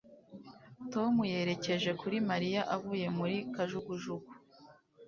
Tom yerekeje kuri Mariya avuye muri kajugujugu